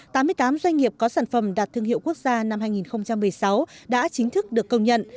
tám mươi tám doanh nghiệp có sản phẩm đạt thương hiệu quốc gia năm hai nghìn một mươi sáu đã chính thức được công nhận